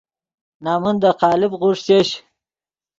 نَمن دے قالب غوݰ چش